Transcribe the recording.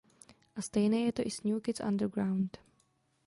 A stejné je to i s New Kids Underground.